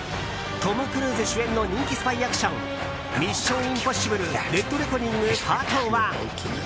トム・クルーズ主演の人気スパイアクション「ミッション：インポッシブル／デッドレコニングＰＡＲＴＯＮＥ」。